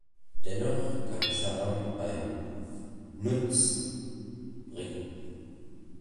Dennoch kann Scham einen „Nutzen“ bringen.